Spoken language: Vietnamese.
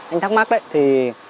anh thắc mắc đấy thì